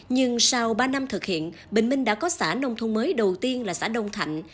nhưng sau ba năm thực hiện bình minh đã có xã nông thôn mới đầu tiên là xã đông thạnh